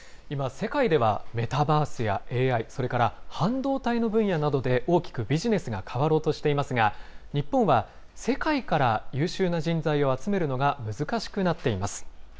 今、世界ではメタバースやＡＩ、それから半導体の分野などで大きくビジネスが変わろうとしていますが、日本は世界から優秀な人材を集めるのが難しくなっています。